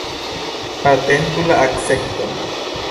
Atentu la akcenton!